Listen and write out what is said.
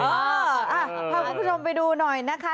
พาคุณผู้ชมไปดูหน่อยนะคะ